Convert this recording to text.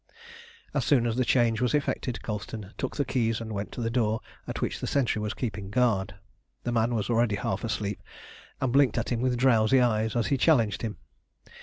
As soon as the change was effected, Colston took the keys and went to the door at which the sentry was keeping guard. The man was already half asleep, and blinked at him with drowsy eyes as he challenged him.